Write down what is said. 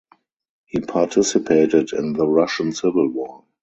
He participated in the Russian Civil War.